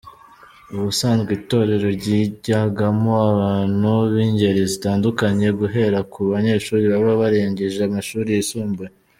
Ubusanzwe Itorero rijyagamo abantu b’ingeri zitandukanye, guhera ku banyeshuri baba barangije amashuri yisumbuye.